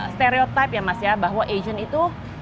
stereotipe ya mas asia itu